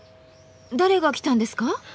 誰が来たんですか？